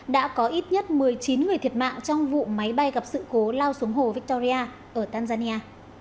đã có ít nhất một mươi chín người thiệt mạng trong vụ máy bay gặp sự cố lao xuống hồ victoria ở tanzania